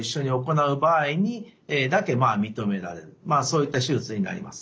そういった手術になります。